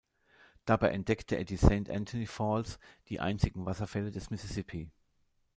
Dabei entdeckte er die Saint Anthony Falls, die einzigen Wasserfälle des Mississippi.